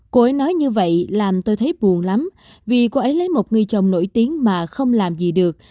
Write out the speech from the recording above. cối nói như vậy làm tôi thấy buồn lắm vì cô ấy lấy một người chồng nổi tiếng mà không làm gì được